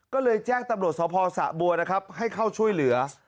ก็เลยแจ้งตำรวจสภสะบัวนะครับให้เข้าช่วยเหลือ